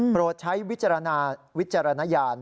โปรดใช้วิจารณวิจารณญาณ